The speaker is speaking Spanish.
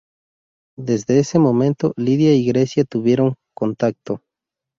Desde ese momento, Lidia y Grecia tuvieron contacto.